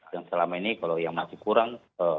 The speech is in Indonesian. dan selama ini kalau yang masih kurang